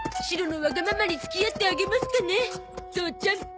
シロのわがままに付き合ってあげますかね父ちゃん。